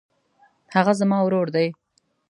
هغه زما ورور دی.